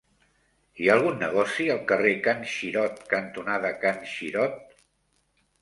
Hi ha algun negoci al carrer Can Xirot cantonada Can Xirot?